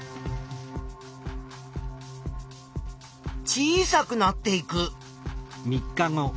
小さくなっていく。